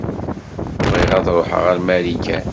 Bɣiɣ ad ṛuḥeɣ ar Marikan.